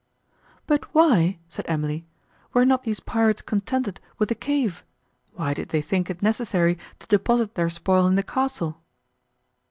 "But why," said Emily, "were not these pirates contented with the cave—why did they think it necessary to deposit their spoil in the castle?"